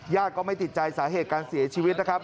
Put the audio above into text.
ก็ไม่ติดใจสาเหตุการเสียชีวิตนะครับ